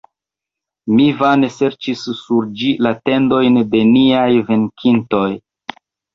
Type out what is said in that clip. Mi vane serĉis sur ĝi la tendojn de niaj venkintoj.